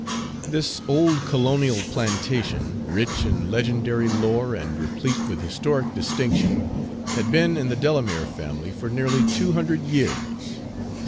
This old colonial plantation, rich in legendary lore and replete with historic distinction, had been in the Delamere family for nearly two hundred years.